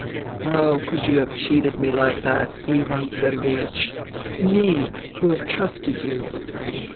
" How could you have cheated me like that, Ivan Sergeiech — me who have trusted you